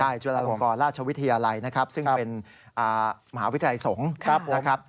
ใช่จุฬาองค์กรราชวิทยาลัยซึ่งเป็นมหาวิทยาลัยสงฆ์